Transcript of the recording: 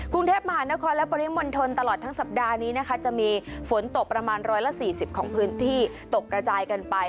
กรุงเทพมหานครและปริมณฑลตลอดทั้งสัปดาห์นี้นะคะจะมีฝนตกประมาณ๑๔๐ของพื้นที่ตกกระจายกันไป